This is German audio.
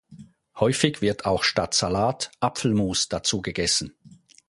Häufig wird auch statt Salat Apfelmus dazu gegessen.